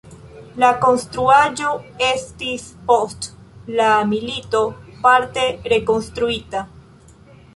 La konstruaĵo estis post la milito parte rekonstruita.